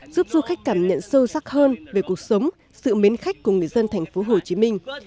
giúp du khách cảm nhận sâu sắc hơn về cuộc sống sự mến khách của người dân thành phố hồ chí minh